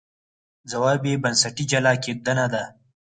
ځواب یې بنسټي جلا کېدنه ده.